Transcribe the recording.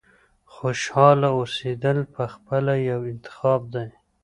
• خوشحاله اوسېدل پخپله یو انتخاب دی.